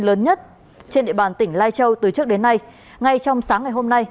lớn nhất trên địa bàn tỉnh lai châu từ trước đến nay ngay trong sáng ngày hôm nay